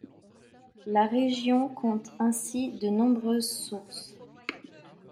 La région compte ainsi de nombreuses sources.